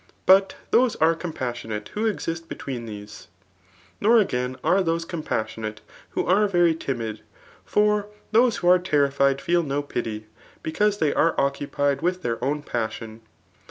But those are compas donate who exist between these. Nor again^ are tliose compassionate who are very timid ; for those who are terrified feel no i»ty, betause they are occupied irith their own pasdon.